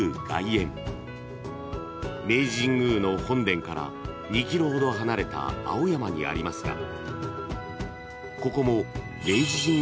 ［明治神宮の本殿から２ｋｍほど離れた青山にありますがここも］